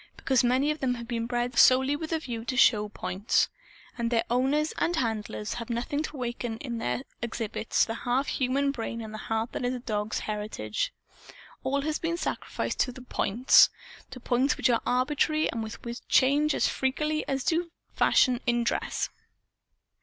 Because many of them have been bred solely with a view to show points. And their owners and handlers have done nothing to awaken in their exhibits the half human brain and heart that is a dog's heritage. All has been sacrificed to "points" to points which are arbitrary and which change as freakily as do fashions in dress.